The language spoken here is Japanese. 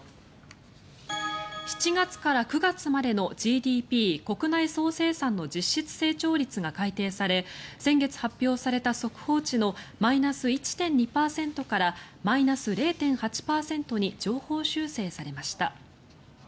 ７月から９月までのＧＤＰ・国内総生産の実質成長率が改定され先月発表された速報値のマイナス１．２％からマイナス０．８％に上方修正されました。